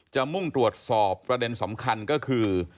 มุ่งตรวจสอบประเด็นสำคัญก็คือ